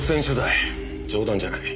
冗談じゃない。